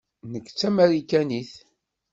Nekk d Tamarikanit.